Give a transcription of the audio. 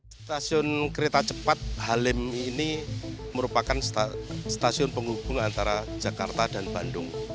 stasiun kereta cepat halim ini merupakan stasiun penghubung antara jakarta dan bandung